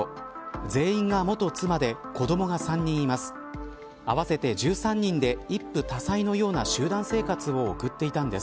全員が元妻で子どもが３人います。